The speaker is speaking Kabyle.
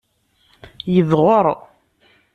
Yedɣer.